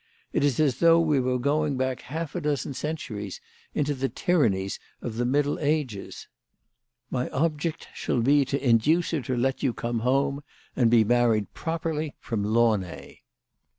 It is as though we were going back half a dozen centuries into the tyrannies of the middle ages. My object shall be to induce her to let you come home and be married 164 THE LADY OF LATIN AY. properly from Launay.